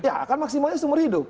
ya maksimalnya seumur hidup